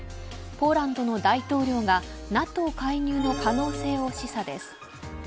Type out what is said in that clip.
ポーランドの大統領がＮＡＴＯ介入の可能性を示唆です。